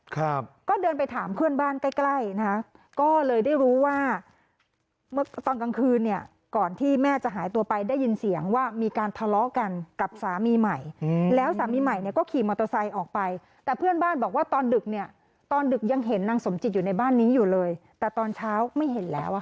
ครับก็เดินไปถามเพื่อนบ้านใกล้ใกล้นะฮะก็เลยได้รู้ว่าเมื่อตอนกลางคืนเนี่ยก่อนที่แม่จะหายตัวไปได้ยินเสียงว่ามีการทะเลาะกันกับสามีใหม่อืมแล้วสามีใหม่เนี่ยก็ขี่มอเตอร์ไซค์ออกไปแต่เพื่อนบ้านบอกว่าตอนดึกเนี่ยตอนดึกยังเห็นนางสมจิตอยู่ในบ้านนี้อยู่เลยแต่ตอนเช้าไม่เห็นแล้วอ่ะ